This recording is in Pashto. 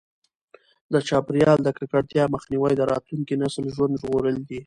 د چاپیریال د ککړتیا مخنیوی د راتلونکي نسل ژوند ژغورل دي.